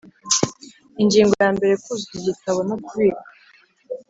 Ingingo ya mbere Kuzuza igitabo no kukibika